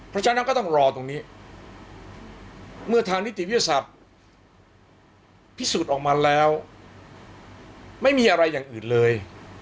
เพราะฉะนั้นก็ต้องรอตรงนี้เมื่อทางนิติวิทยาศาสตร์พิสูจน์ออกมาแล้วไม่มีอะไรอย่างอื่นเลย